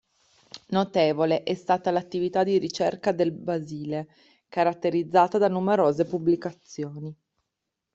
Notevole è stata l'attività di ricerca del Basile, caratterizzata da numerose pubblicazioni.